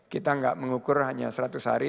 kita nggak mengukur hanya seratus hari